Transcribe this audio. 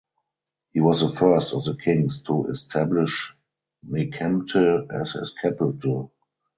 He was the first of the kings to establish Nekemte as his capital.